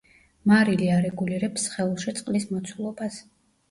მარილი არეგულირებს სხეულში წყლის მოცულობას.